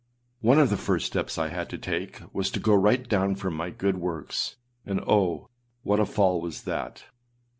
One of the first steps I had to take was to go right down from my good works; and oh! what a fall was that!